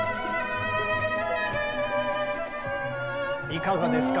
いかがですか？